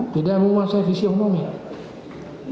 tidak menguasai visi umumnya